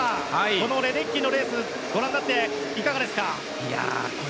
このレデッキーのレースをご覧になっていかがですか。